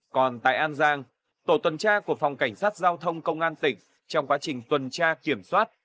còn tại an giang tổ tuần tra của phòng cảnh sát giao thông công an tỉnh trong quá trình tuần tra kiểm soát